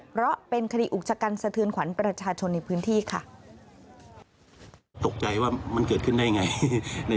เพราะเป็นคดีอุกชะกันสะเทือนขวัญประชาชนในพื้นที่ค่ะ